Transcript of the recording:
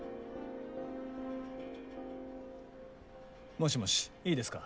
もしもし、いいですか。